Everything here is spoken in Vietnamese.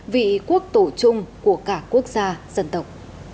vị quốc tổ chung của cả quốc gia dân tộc